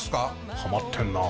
ハマってんなあ。